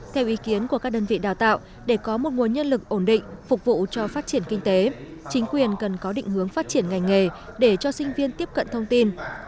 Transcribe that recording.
theo ý kiến của các đơn vị đào tạo để có một nguồn nhân lực ổn định phục vụ cho phát triển kinh tế chính quyền cần có định hướng phát triển ngành nghề để cho sinh viên tiếp cận thông tin